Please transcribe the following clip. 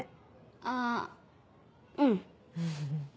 あぁうん。